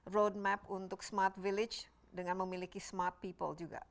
roadmap untuk smart village dengan memiliki smart people juga